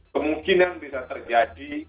kemungkinan bisa terjadi